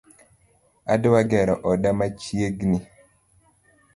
Adwa gero oda machiegni